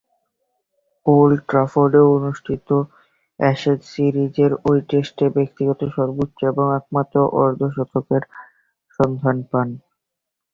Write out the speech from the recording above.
Old ট্রাফোর্ডে অনুষ্ঠিত Ashes সিরিজের ঐ টেস্টে ব্যক্তিগত সর্বোচ্চ ও একমাত্র অর্ধ-শতকের সন্ধান পান।